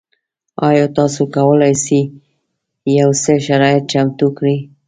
ایا تاسو کولی شئ یو څه شرایط چمتو کړئ؟